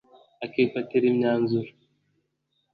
akifatira imyanzuro